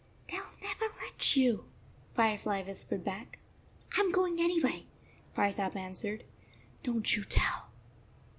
" They 11 never let you," Firefly whis pered back. " I m going anyway," Firetop answered. "Don t you tell."